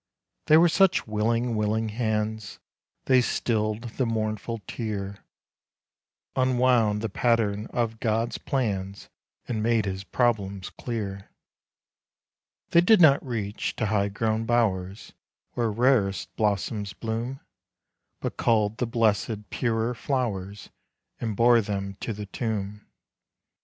They were such willing, willing hands, They stilled the mournful tear, Unwound the pattern of God's plans, And made his problems clear. They did not reach to high grown bowers, Where rarest blossoms bloom; But culled the blessed, purer flowers, And bore them to the tomb.